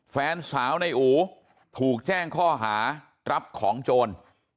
แฟนสาวในอูถูกแจ้งข้อหารับของโจร